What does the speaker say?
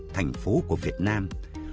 thành phố của vùng đất nước